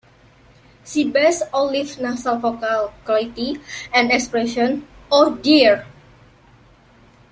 She based Olive's nasal vocal quality and expression, Oh, dear!